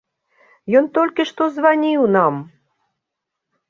Ён толькі што званіў нам!